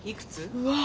うわっ！